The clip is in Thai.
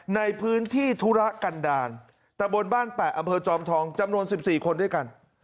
ในพื้นที่ธุระกันดาลตะบนบ้านแปะอำเภอจอมทองจำนวน๑๔คนด้วยกัน